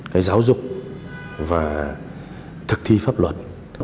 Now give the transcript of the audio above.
cái giáo dục và thực thi pháp luật